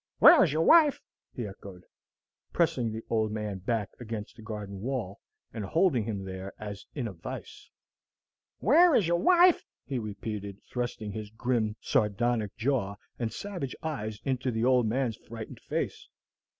"Where is your wife?" he echoed, pressing the old man back against the garden wall, and holding him there as in a vice. "Where is your wife?" he repeated, thrusting his grim sardonic jaw and savage eyes into the old man's frightened face.